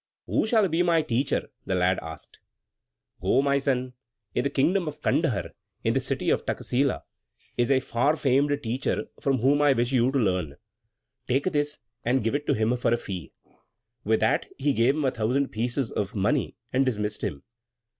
"Who shall be my teacher?" the lad asked. "Go, my son; in the kingdom of Candahar, in the city of Takkasila, is a far famed teacher from whom I wish you to learn. Take this, and give it him for a fee." With that he gave him a thousand pieces of money, and dismissed him.